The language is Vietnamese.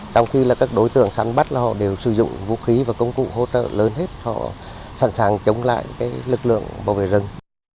trong khi các đối tượng săn bắt là họ đều sử dụng vũ khí và công cụ hỗ trợ lớn hết họ sẵn sàng chống lại lực lượng bảo vệ rừng